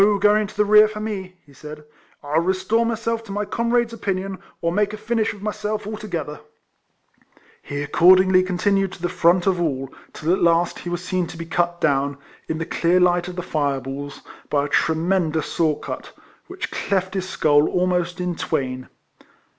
" No going to the rear for nie," he said. " I'll restore myself to my comrades' opinion, or make a finish of myself altogether." He accordingly continued in the front of all, till at last he was seen to be cut down, in the clear light of the fire balls, by a tremendous sword cut, w^hich cleft his skull almost in twain.